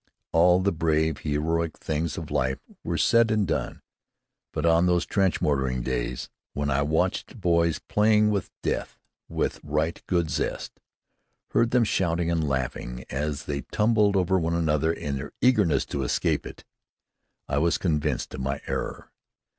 All the brave, heroic things of life were said and done. But on those trench mortaring days, when I watched boys playing with death with right good zest, heard them shouting and laughing as they tumbled over one another in their eagerness to escape it, I was convinced of my error.